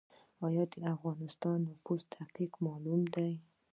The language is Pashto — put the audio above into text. آیا د افغانستان نفوس دقیق معلوم دی؟